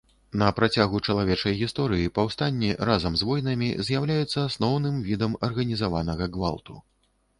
На працягу чалавечай гісторыі паўстанні разам з войнамі з'яўляюцца асноўным відам арганізаванага гвалту.